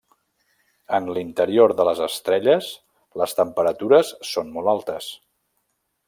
En l'interior de les estrelles les temperatures són molt altes.